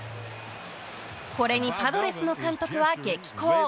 これに、パドレスの監督は激高。